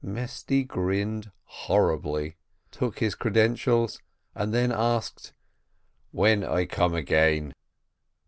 Mesty grinned horribly, took his credentials, and then asked, "When I come again?"